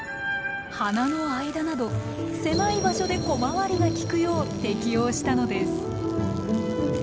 花の間など狭い場所で小回りがきくよう適応したのです。